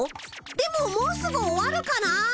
でももうすぐ終わるかな。